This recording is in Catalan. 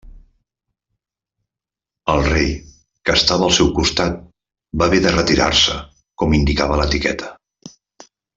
El rei, que estava al seu costat, va haver de retirar-se com indicava l'etiqueta.